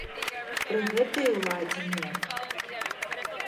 Пры гэтай уладзе, не.